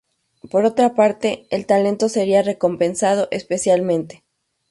Por otra parte, el talento sería recompensado especialmente.